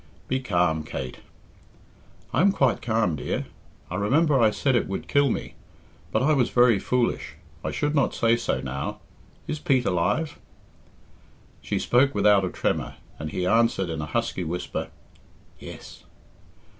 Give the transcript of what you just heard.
"Becalm, Kate." "I am quite calm, dear. I remember I said it would kill me. But I was very foolish. I should not say so now. Is Pete alive?" She spoke without a tremor, and he answered in a husky whisper, "Yes."